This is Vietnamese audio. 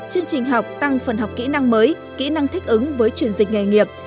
chương trình học tăng phần học kỹ năng mới kỹ năng thích ứng với truyền dịch nghề nghiệp